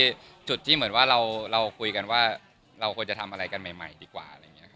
เป็นจุดที่เหมือนว่าเราคุยกันว่าเราควรจะทำอะไรกันใหม่ดีกว่า